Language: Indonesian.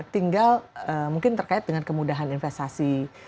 tinggal mungkin terkait dengan kemudahan investasi